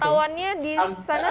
pemantauannya di sana